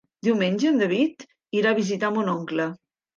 Diumenge en David irà a visitar mon oncle.